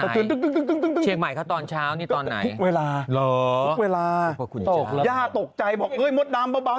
เชียงไหมค่ะตอนเช้าตอนไหนเวลาตกใจบอกเอ้ยมดดำเป็นอบาล